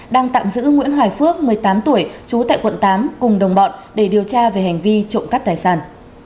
đang tạm giữ nguyễn hoài phước một mươi tám tuổi trú tại quận tám cùng đồng bọn để điều tra về hành vi trộm cắp tài sản